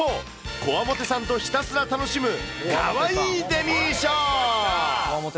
コワモテさんとひたすら楽しむ、かわいいデミー賞。